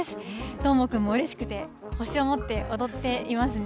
どーもくんもうれしくて、星を持って踊っていますね。